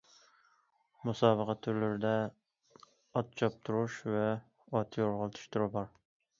مۇسابىقە تۈرلىرىدە ئات چاپتۇرۇش ۋە ئات يورغىلىتىش تۈرى بار.